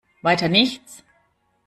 Weiter nichts?